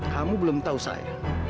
kamu belum tahu saya